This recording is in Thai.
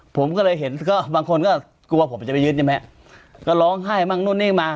ผมก็เลยเห็นก็บางคนก็กลัวผมจะไปยึดใช่ไหมก็ร้องไห้บ้างนู่นนี่มา